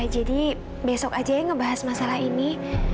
jadi besok aja ngebahas masalah ini